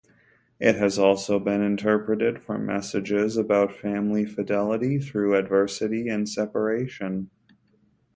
It has also been interpreted for messages about family fidelity through adversity and separation.